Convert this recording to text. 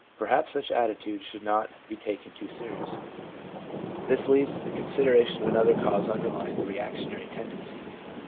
1 Perhaps such attitudes should not be taken too seriously. This leads to the consideration of another cause underlying the reactionary tendencies.